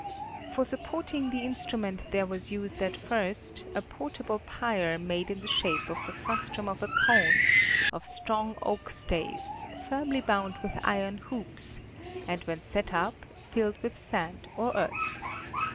For supporting the instrument there was used at first, a portable pier made in the shape of the frustrum of a cone, of strong oak staves, firmly bound with iron hoops, and when set up, filled with sand or earth.